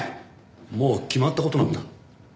もう決まった事なんだ。